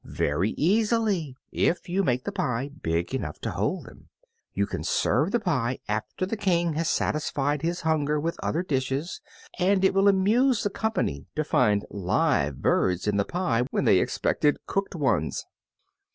"Very easily, if you make the pie big enough to hold them. You can serve the pie after the King has satisfied his hunger with other dishes, and it will amuse the company to find live birds in the pie when they expected cooked ones."